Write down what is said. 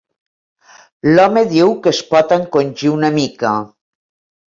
L'home diu que es pot encongir una mica.